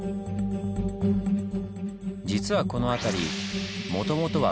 実はこの辺りもともとは海。